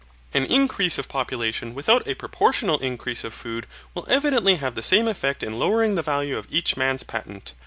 An increase of population without a proportional increase of food will evidently have the same effect in lowering the value of each man's patent.